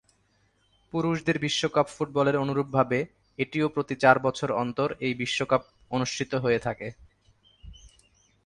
পুরুষদের বিশ্বকাপ ফুটবলের অনুরূপভাবে এটিও প্রতি চার বছর অন্তর এই বিশ্বকাপ অনুষ্ঠিত হয়ে থাকে।